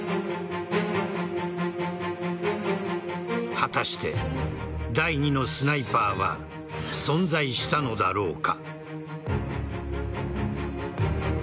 果たして、第２のスナイパーは存在したのだろうか。